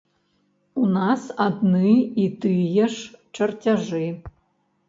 У нас адны і тыя ж чарцяжы.